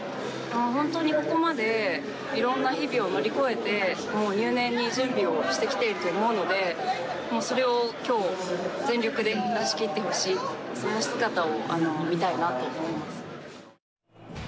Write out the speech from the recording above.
本当にここまで、いろんな日々を乗り越えて入念に準備をしてきていると思うので、それをきょう、全力で出し切ってほしい、その姿を見たいなと思います。